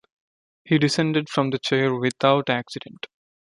He descended from the chair without accident.